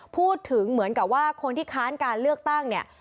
พูดถึงเหมือนกับว่าคนที่ค้านการเลือกตั้งเนี่ย